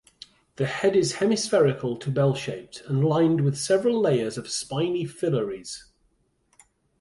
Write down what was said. The head is hemispherical to bell-shaped and lined with several layers of spiny phyllaries.